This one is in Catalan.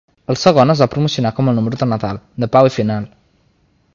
El segon es va promocionar com el Número de Nadal, de Pau i Final.